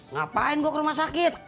ngapain gue ke rumah sakit